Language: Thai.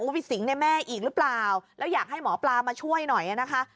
ไปสิงในแม่อีกหรือเปล่าแล้วอยากให้หมอปลามาช่วยหน่อยนะคะ